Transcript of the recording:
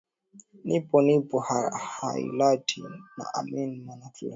Nipo Nipo Yalaiti na Ameen MwanaFalsafa amethibitisha kuwa sio yeye tu ndiye bora zaidi